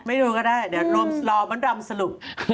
ไม่ดูก็ได้เดี๋ยวรอมันรำสรุป